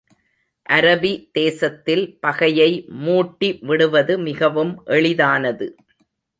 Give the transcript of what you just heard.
அரபி தேசத்தில் பகையை மூட்டி விடுவது மிகவும் எளிதானது.